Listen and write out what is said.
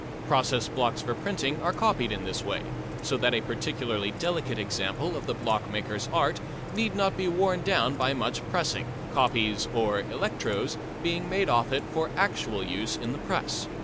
Process blocks for printing are copied in this way, so that a particularly delicate example of the blockmaker's art need not be worn down by much pressing, copies or "electros" being made off it for actual use in the press.